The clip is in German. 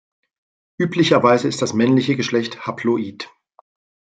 Üblicherweise ist das männliche Geschlecht haploid.